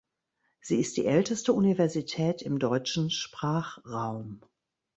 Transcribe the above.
Sie ist die älteste Universität im deutschen Sprachraum.